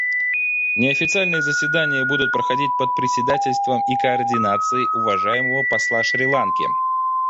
Неофициальные заседания будут проходить под председательством и координацией уважаемого посла Шри-Ланки.